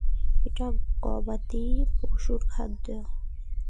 এটা গবাদি পশুর খাদ্য।